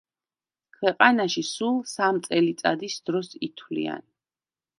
ქვეყანაში სულ სამ წელიწადის დროს ითვლიან.